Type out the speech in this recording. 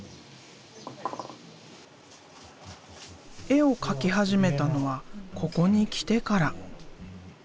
絵を描き始めたのはここに来てから。